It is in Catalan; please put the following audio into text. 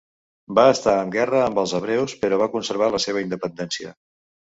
Va estar amb guerra amb els hebreus però va conservar la seva independència.